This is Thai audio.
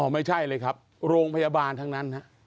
ไม่ใช่เลยครับโรงพยาบาลทั้งนั้น